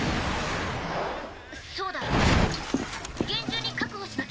「そうだ厳重に確保しなきゃ」。